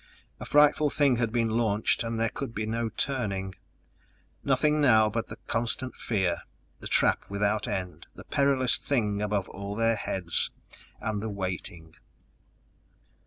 A frightful thing had been launched and there could be no turning; nothing now but the constant fear, the trap without end, the perilous thing above all their heads ... and the waiting.